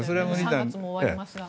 ３月も終わりますが。